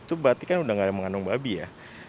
itu berarti kan udah nggak ada mengandung babi ya